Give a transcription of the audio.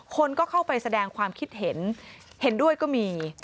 คนก็เข้าไปแสดงความคิดเห็นเห็นด้วยก็มี